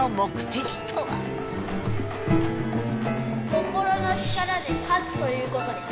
「心の力」で勝つということです。